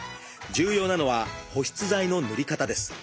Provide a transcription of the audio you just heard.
重要なのは保湿剤の塗り方です。